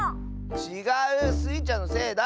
ちがう！スイちゃんのせいだ！